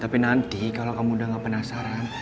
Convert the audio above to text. tapi nanti kalau kamu udah gak penasaran